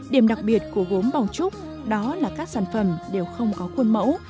điểm đặc biệt của gốm bảo trúc đó là các sản phẩm đều không có khuôn mẫu